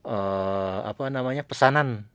eee apa namanya pesanan